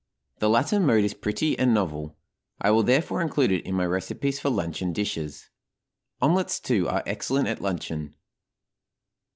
The latter mode is pretty and novel; I will, therefore, include it in my recipes for luncheon dishes. Omelets, too, are excellent at luncheon.